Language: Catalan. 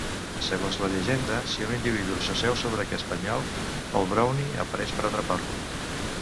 Segons la llegenda, si un individu s'asseu sobre aquest penyal, el brownie apareix per atrapar-lo.